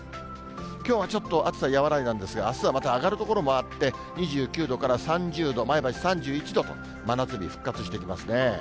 きょうはちょっと暑さ和らいだんですが、あすはまた上がる所もあって、２９度から３０度、前橋３１度と、真夏日復活してきますね。